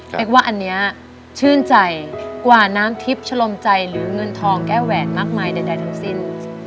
กว่าอันนี้ชื่นใจกว่าน้ำทิพย์ชะลมใจหรือเงินทองแก้แหวนมากมายใดทั้งสิ้น